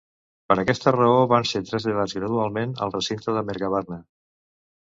Per aquesta raó, van ser traslladats gradualment al recinte de Mercabarna.